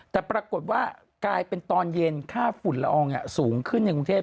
แต่ปรากฏว่ากลายเป็นตอนเย็นค่าฝุ่นละอองสูงขึ้นในกรุงเทพ